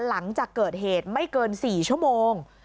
หลังจากเกิดเหตุไม่เกิน๔ชั่วโมง